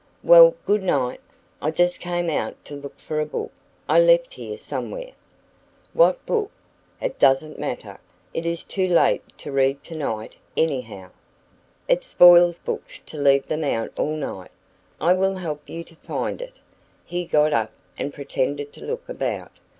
"Well, good night! I just came out to look for a book I left here somewhere." "What book?" "It doesn't matter. It is too late to read tonight, anyhow." "It spoils books to leave them out all night. I will help you to find it." He got up, and pretended to look about.